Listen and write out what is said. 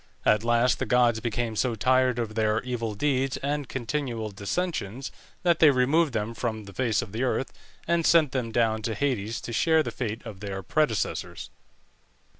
At last the gods became so tired of their evil deeds and continual dissensions, that they removed them from the face of the earth, and sent them down to Hades to share the fate of their predecessors.